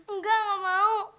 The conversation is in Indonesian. enggak enggak mau